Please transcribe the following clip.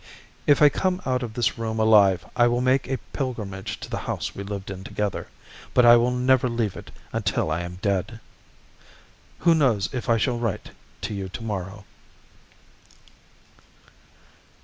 If I come out of this room alive I will make a pilgrimage to the house we lived in together, but I will never leave it until I am dead. Who knows if I shall write to you to morrow?